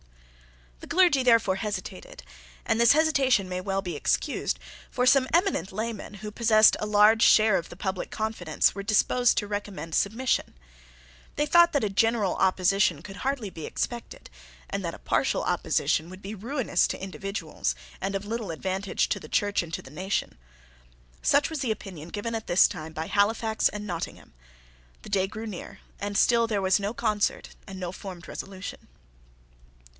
The clergy therefore hesitated; and this hesitation may well be excused: for some eminent laymen, who possessed a large share of the public confidence, were disposed to recommend submission. They thought that a general opposition could hardly be expected, and that a partial opposition would be ruinous to individuals, and of little advantage to the Church and to the nation. Such was the opinion given at this time by Halifax and Nottingham. The day drew near; and still there was no concert and no formed resolution.